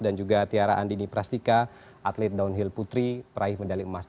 dan juga tiara andini prastika atlet downhill putri peraih medali emas